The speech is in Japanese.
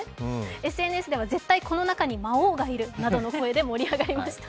ＳＮＳでは絶対この中に魔王がいるなどと話題になりました。